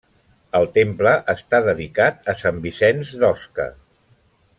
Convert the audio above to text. El temple està dedicat a Sant Vicenç d'Osca.